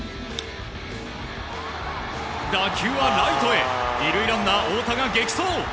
打球はライトへ２塁ランナー、大田が激走！